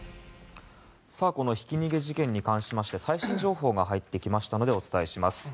このひき逃げ事件に関しまして最新情報が入ってきましたのでお伝えします。